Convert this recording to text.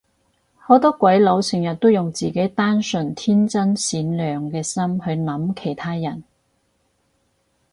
好多鬼佬成日都用自己單純天真善良嘅心去諗其他人